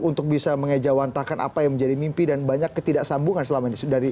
untuk bisa mengejawantakan apa yang menjadi mimpi dan banyak ketidaksambungan selama ini